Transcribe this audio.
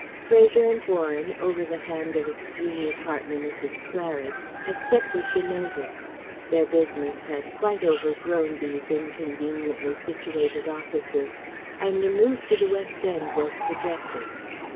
Fraser and Warren over the hand of its junior partner, Mrs. Claridge, accepted the notice. Their business had quite overgrown these inconveniently situated offices and a move to the West End was projected.